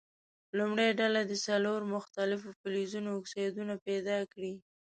لومړۍ ډله دې څلور مختلفو فلزونو اکسایدونه پیداکړي.